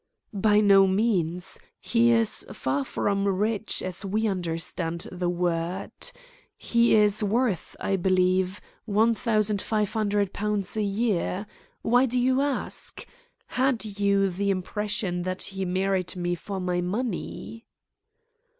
"By no means. He is far from rich as we understand the word. He is worth, I believe, £1,500 a year. Why do you ask? Had you the impression that he married me for my money?"